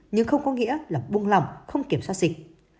nhưng không có nghĩa là buông lỏng không kiểm soát dịch